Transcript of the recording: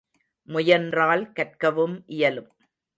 முயன்றால் கற்கவும் இயலும்.